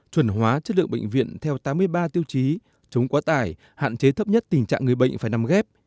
chuẩn hóa chất lượng bệnh viện theo tám mươi ba tiêu chí chống quá tải hạn chế thấp nhất tình trạng người bệnh phải nằm ghép